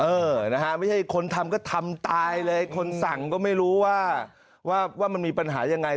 เออนะฮะไม่ใช่คนทำก็ทำตายเลยคนสั่งก็ไม่รู้ว่าว่ามันมีปัญหายังไง